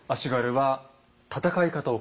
はい。